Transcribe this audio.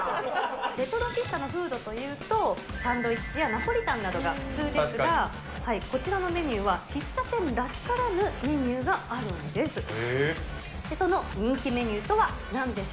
レトロ喫茶のフードというと、サンドイッチやナポリタンなどが普通ですが、こちらのメニューは、喫茶店らしからぬメニューがあるんです。